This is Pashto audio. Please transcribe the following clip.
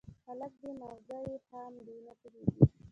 _هلک دی، ماغزه يې خام دي، نه پوهېږي.